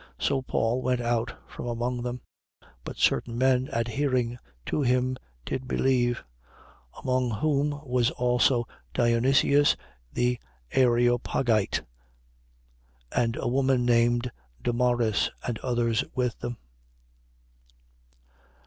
17:33. So Paul went out from among them. 17:34. But certain men, adhering to him, did believe: among whom was also Dionysius the Areopagite and a woman named Damaris and others with them.